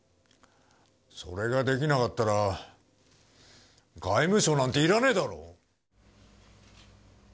それができなかったら、外務省なんていらねぇだろ。